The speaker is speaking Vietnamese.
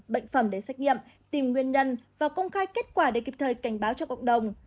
bệnh phẩm để xét nghiệm tìm nguyên nhân và công khai kết quả để kịp thời cảnh báo cho cộng đồng